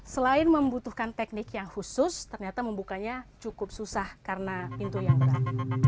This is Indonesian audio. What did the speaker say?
selain membutuhkan teknik yang khusus ternyata membukanya cukup susah karena pintu yang berat